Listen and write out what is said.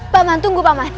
pak man tunggu pak man